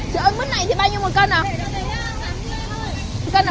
chị ơi mứt này thì bao nhiêu một cân à